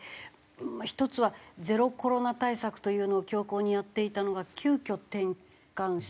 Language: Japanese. まあ一つはゼロコロナ対策というのを強硬にやっていたのが急遽転換した。